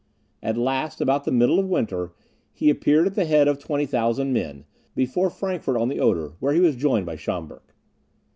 At last, about the middle of winter, he appeared at the head of 20,000 men, before Frankfort on the Oder, where he was joined by Schaumburg.